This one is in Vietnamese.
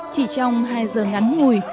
chỉ trong hai giờ ngắn ngùi